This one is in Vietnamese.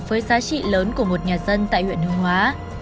với giá trị lớn của một nhà dân tại huyện hương hóa